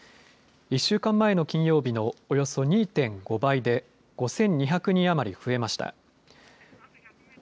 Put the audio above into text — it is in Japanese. １週間前の金曜日のおよそ２．５倍で、５２００人余り増えました。